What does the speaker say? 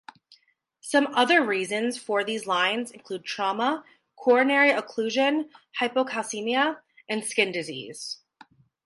Some other reasons for these lines include trauma, coronary occlusion, hypocalcaemia, and skin disease.